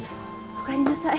おかえりなさい。